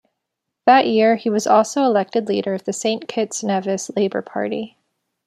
That year he was also elected leader of the Saint Kitts-Nevis Labour Party.